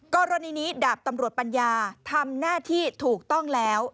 กรณีนี้ดาบตำรวจปัญญาทำหน้าที่ถูกต้องแล้ว